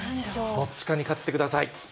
どっちかに勝ってください。